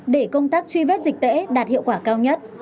để công tác truy vết dịch tễ đạt hiệu quả cao nhất